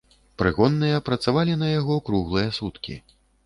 Прыгонныя працавалі на яго круглыя суткі.